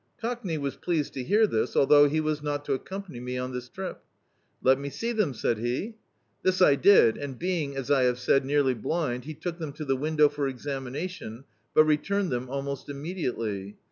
Cockney was pleased to hear this, although he was not to accom pany me on this trip. "Let me see them," said he. This I did and being, as I have said, nearly blind, he took them to the window for examination, but returned them almost immediately.